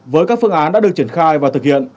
với các phương án đã được triển khai và thực hiện